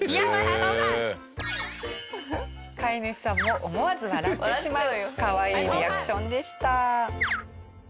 飼い主さんも思わず笑ってしまう可愛いリアクションでした。